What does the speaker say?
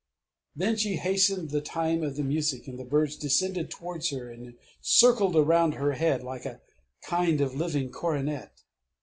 Then she hastened the time of the music and the Birds descended towards her, and circled around her head, like a kind of living coronet....